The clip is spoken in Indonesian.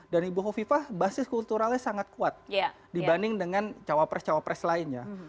dan buho viva basis kulturalnya sangat kuat dibanding dengan cawapres cawapres lainnya